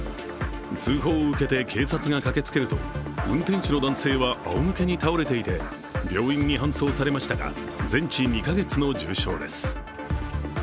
通報を受けて警察が駆けつけると運転手の男性はあおむけに倒れていて病院に搬送されましたが、全治２か月の重傷です。